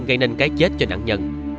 gây nên cái chết cho nạn nhân